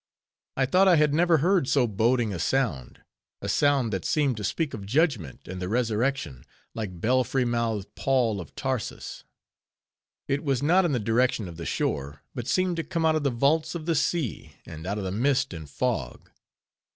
I thought I had never heard so boding a sound; a sound that seemed to speak of judgment and the resurrection, like belfry mouthed Paul of Tarsus. It was not in the direction of the shore; but seemed to come out of the vaults of the sea, and out of the mist and fog.